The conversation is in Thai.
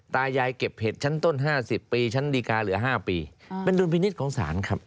ตายายเก็บเหตุชั้นต้นห้าสิบปีชั้นดีการเหลือห้าปีเป็นรุนฟินิตของสารครับ